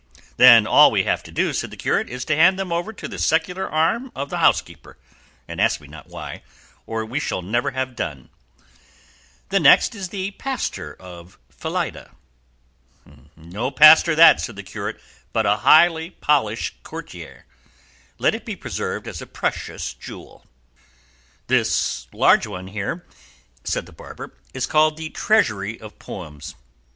'" "Then all we have to do," said the curate, "is to hand them over to the secular arm of the housekeeper, and ask me not why, or we shall never have done." "This next is the 'Pastor de Filida.'" "No Pastor that," said the curate, "but a highly polished courtier; let it be preserved as a precious jewel." "This large one here," said the barber, "is called 'The Treasury of various Poems.